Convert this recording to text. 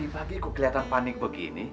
pagi aku kelihatan panik begini